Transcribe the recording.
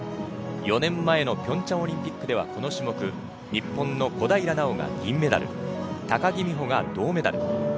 ４年前の平昌オリンピックではこの種目日本の小平奈緒が銀メダル高木美帆が銅メダル。